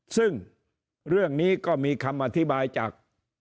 ซึ่งเรื่องนี้ก็มีคำอธิบายจาก